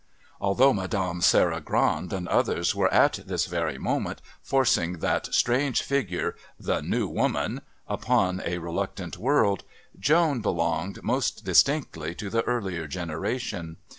Although Mme. Sarah Grand and others were at this very moment forcing that strange figure, the New Woman, upon a reluctant world, Joan belonged most distinctly to the earlier generation.